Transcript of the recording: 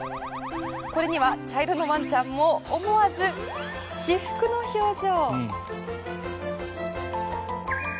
これには茶色のワンちゃんも思わず至福の表情。